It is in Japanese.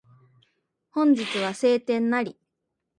本日は晴天なり